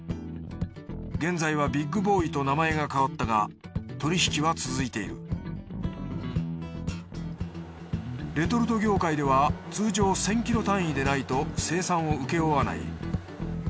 現在はＢｉｇＢｏｙと名前が変わったが取り引きは続いているレトルト業界では通常１，０００キロ単位でないと生産を請け負わない。